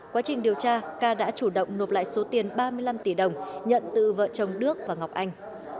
quá trình điều tra ca đã chủ động nộp lại số tiền ba mươi năm tỷ đồng nhận từ vợ chồng đức và ngọc anh